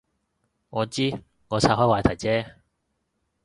我知，我岔开话题啫